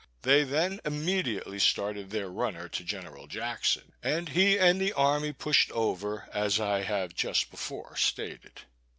They then immediately started their runner to General Jackson, and he and the army pushed over, as I have just before stated.